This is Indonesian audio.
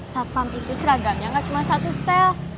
satpam itu seragamnya gak cuma satu setel